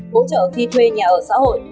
hỗ trợ khi thuê nhà ở xã hội